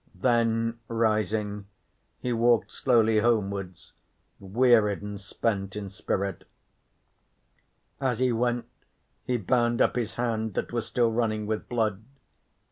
Then, rising, he walked slowly homewards, wearied and spent in spirit. As he went he bound up his hand that was still running with blood.